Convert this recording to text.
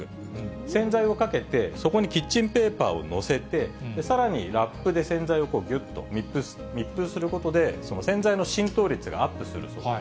洗剤をかけて、そこにキッチンペーパーを載せて、さらにラップで洗剤をぎゅっと密封することで、洗剤の浸透率がアップするそうです。